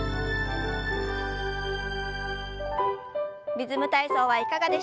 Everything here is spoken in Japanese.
「リズム体操」はいかがでしたか？